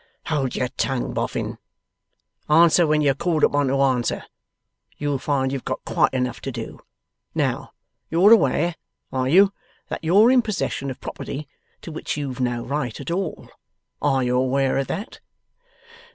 'Hold your tongue, Boffin! Answer when you're called upon to answer. You'll find you've got quite enough to do. Now, you're aware are you that you're in possession of property to which you've no right at all? Are you aware of that?